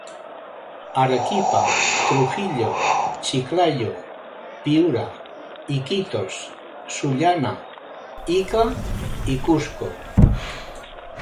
Arequipa, Trujillo, Chiclayo, Piura, Iquitos, Sullana, Ica y Cusco.